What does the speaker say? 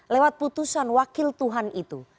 lewat putusan wakil tuhan itu